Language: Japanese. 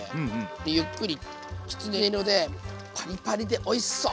ゆっくりきつね色でパリパリでおいしそう！